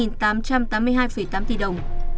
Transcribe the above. là hai tám trăm tám mươi hai tám tỷ đồng